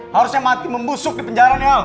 harusnya mati membusuk di penjara nih al